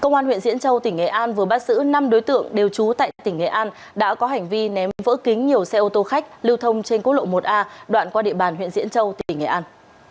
công an huyện diễn châu tỉnh nghệ an vừa bắt giữ năm đối tượng đều trú tại tỉnh nghệ an đã có hành vi ném vỡ kính nhiều xe ô tô khách lưu thông trên quốc lộ một a đoạn qua địa bàn huyện diễn châu tỉnh nghệ an